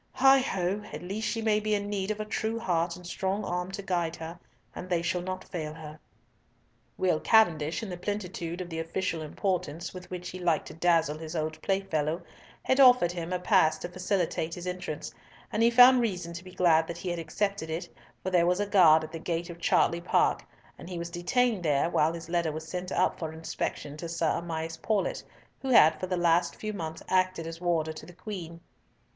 Heigh ho! At least she may be in need of a true heart and strong arm to guard her, and they shall not fail her." Will Cavendish, in the plenitude of the official importance with which he liked to dazzle his old playfellow, had offered him a pass to facilitate his entrance, and he found reason to be glad that he had accepted it, for there was a guard at the gate of Chartley Park, and he was detained there while his letter was sent up for inspection to Sir Amias Paulett, who had for the last few months acted as warder to the Queen.